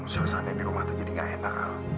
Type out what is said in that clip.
selesainya di rumah tuh jadi nggak enak al